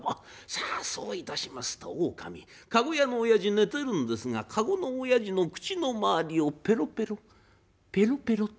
さあそういたしますと狼駕籠屋のおやじ寝てるんですが駕籠のおやじの口の周りをペロペロペロペロってなめ始めた。